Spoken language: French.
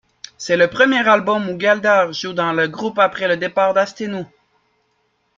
C'est le premier album où Galder joue dans le groupe, après le départ d'Astennu.